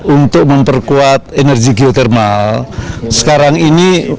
untuk memperkuat energi geotermal sekarang ini